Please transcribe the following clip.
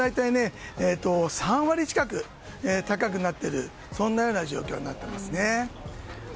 ３割近く高くなっている状況になっています。